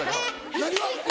何が？